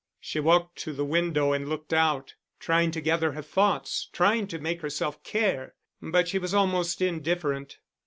She walked to the window and looked out, trying to gather her thoughts, trying to make herself care; but she was almost indifferent.